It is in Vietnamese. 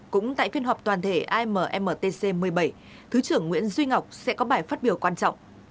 cũng tại phiên họp toàn thể ammtc một mươi bảy thứ trưởng nguyễn duy ngọc sẽ có bài phát biểu quan trọng